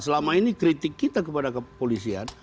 selama ini kritik kita kepada kepolisian